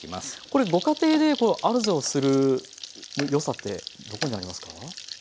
これご家庭でアロゼをするよさってどこにありますか？